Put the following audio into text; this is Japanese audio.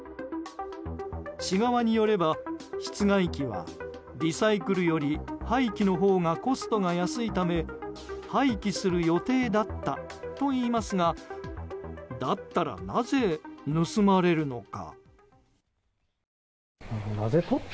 市側によれば、室外機はリサイクルより廃棄のほうがコストが安いため廃棄する予定だったといいますがだったらなぜ、盗まれるのか。